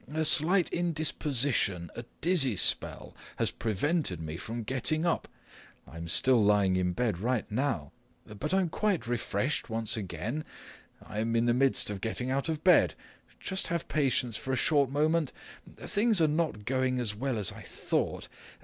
A slight indisposition, a dizzy spell, has prevented me from getting up. I'm still lying in bed right now. But I'm quite refreshed once again. I'm in the midst of getting out of bed. Just have patience for a short moment! Things are not going as well as I thought.